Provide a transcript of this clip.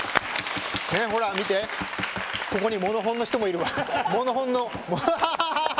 見て、ここにモノホンの人がいるわ。